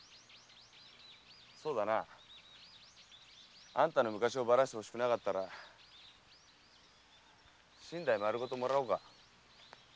〔そうだな。あんたの昔をばらしてほしくなかったら身代丸ごともらおうか〕